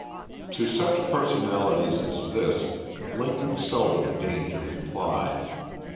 To such personalities as this, Lincoln seldom deigned to reply.